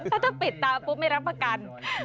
ถ้าจะปิดตาปุ๊บไม่รับประกัน